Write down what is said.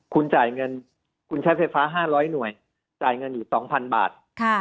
คุณใช้ไฟฟ้า๕๐๐หน่วยจ่ายเงินอยู่๒๐๐๐บาท